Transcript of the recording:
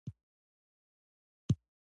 وولسي ژبه د چا په خوله ټاکل کېږي.